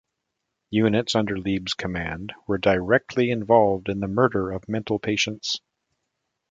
Units under Leeb's command were directly involved in the murder of mental patients.